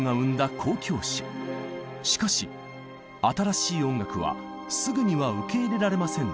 しかし新しい音楽はすぐには受け入れられませんでした。